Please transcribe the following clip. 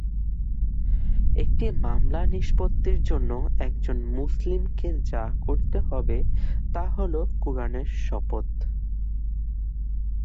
একটি মামলা নিষ্পত্তির জন্য একজন মুসলিমকে যা করতে হবে তা হল কুরআনের শপথ।